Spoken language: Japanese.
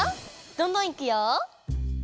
どんどんいくよ。